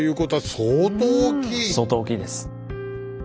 相当大きいです。